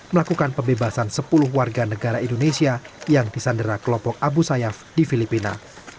melakukan pembebasan sepuluh warga negara indonesia yang disandera kelompok abu sayyaf di filipina